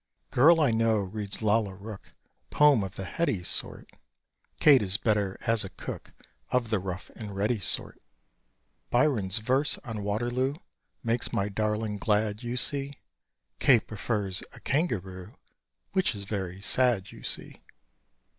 Girl I know reads Lalla Rookh Poem of the "heady" sort: Kate is better as a cook Of the rough and ready sort. Byron's verse on Waterloo, Makes my darling glad, you see: Kate prefers a kangaroo Which is very sad, you see.